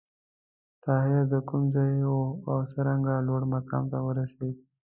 طاهر د کوم ځای و او څرنګه لوړ مقام ته ورسېد؟